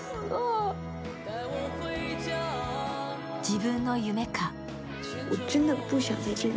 自分の夢か？